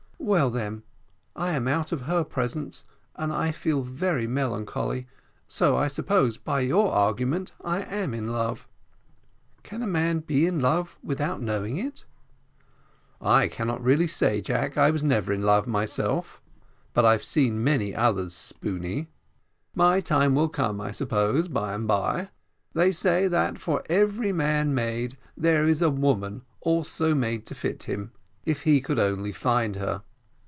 "Well, then, I am out of her presence, and I feel very melancholy, so I suppose, by your argument, I am in love. Can a man be in love without knowing it?" "I really cannot say, Jack, I never was in love myself, but I've seen many others spooney. My time will come, I suppose, by and bye. They say that for every man made there is a woman also made to fit him, if he could only find her.